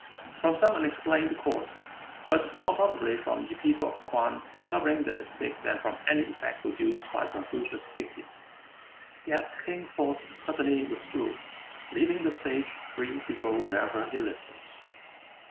From some unexplained cause, but more probably from the people of Kwang discovering their mistake than from any effect produced by Confucius' ditties, the attacking force suddenly withdrew, leaving the Sage free to go wherever he listed.